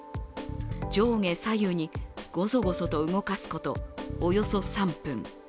上下左右にゴソゴソと動かすこと、およそ３分。